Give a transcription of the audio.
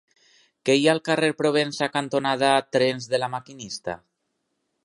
Què hi ha al carrer Provença cantonada Trens de La Maquinista?